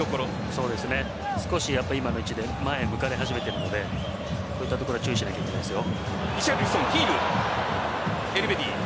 そうですね、今の位置で前を向かれ始めているのでこういったところ注意しないといけないですよ。